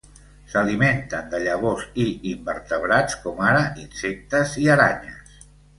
S'alimenten de llavors i invertebrats, com ara insectes i aranyes.